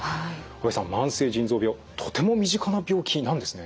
阿部さん慢性腎臓病とても身近な病気なんですね。